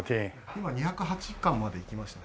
今２０８巻までいきましたね。